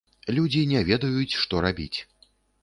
Людзі не ведаюць, што рабіць.